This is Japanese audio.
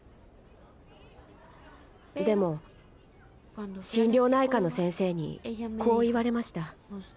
でも心療内科の先生にこう言われました。